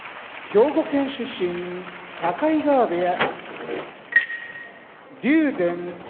熊本県出身境川部屋